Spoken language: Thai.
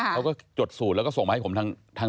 เขาก็จดสูตรแล้วก็ส่งมาให้ผมทางไลน์